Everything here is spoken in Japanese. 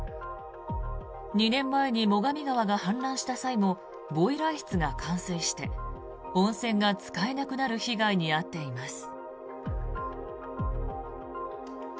２年前に最上川が氾濫した際にもボイラー室が冠水して温泉が使えなくなる被害に遭っています。